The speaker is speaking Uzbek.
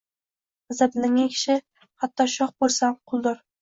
G'azablangan kishi, hatto shoh bo'lsa ham, quldir.